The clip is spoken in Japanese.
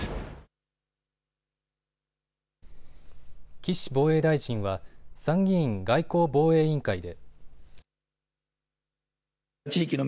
岸防衛大臣は参議院外交防衛委員会で。